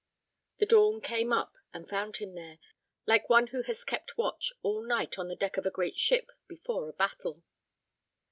The dawn came up and found him there, like one who has kept watch all night on the deck of a great ship before a battle.